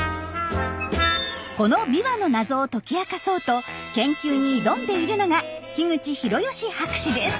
このビワの謎を解き明かそうと研究に挑んでいるのが樋口広芳博士です。